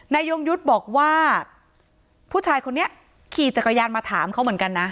ยงยุทธ์บอกว่าผู้ชายคนนี้ขี่จักรยานมาถามเขาเหมือนกันนะ